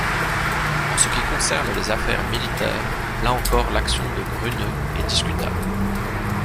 En ce qui concerne les affaires militaires, là encore l'action de Grünne est discutable.